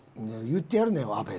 言ってやるなよアベ。